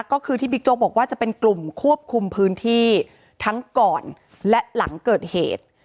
ก็คือที่บิ๊กโจ๊กบอกว่าจะเป็นกลุ่มควบคุมพื้นที่ทั้งก่อนและหลังเกิดเหตุ